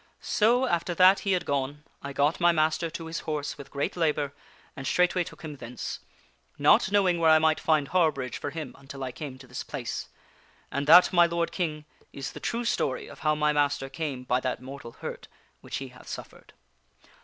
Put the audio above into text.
" So, after that he had gone, I got my master to his horse with great labor, and straightway took him thence, not knowing where I might find harborage for him, until I came to this place. And that, my lord King, is the true story of how my master came by that mortal hurt which he hath suffered."